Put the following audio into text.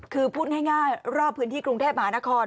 คือพูดง่ายรอบพื้นที่กรุงเทพมหานคร